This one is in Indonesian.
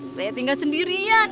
saya tinggal sendirian